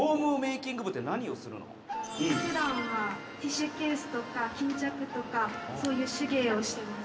「普段はティッシュケースとか巾着とかそういう手芸をしています」